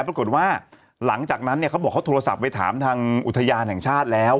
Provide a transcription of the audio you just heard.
ปรากฏว่าหลังจากนั้นเนี่ยเขาบอกเขาโทรศัพท์ไปถามทางอุทยานแห่งชาติแล้ว